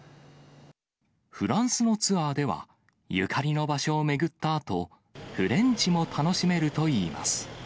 フランスのツアーでは、ゆかりの場所を巡ったあと、フレンチも楽しめるといいます。